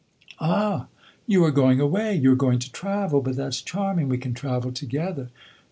"Ah, you are going away? You are going to travel? But that 's charming; we can travel together.